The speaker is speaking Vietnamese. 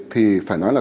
thì phải nói là